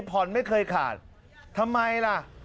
ผ่อนไม่เคยขาดทำไมล่ะ